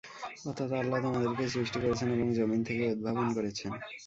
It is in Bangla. অর্থাৎ আল্লাহ তোমাদেরকে সৃষ্টি করেছেন এবং যমীন থেকে উদ্ভাবন করেছেন।